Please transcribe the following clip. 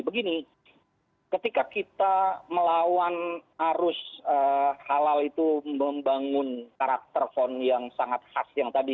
begini ketika kita melawan arus halal itu membangun karakter font yang sangat khas yang tadi